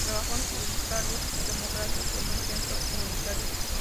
Trabajó en un Starbucks y tomó clases en un centro comunitario.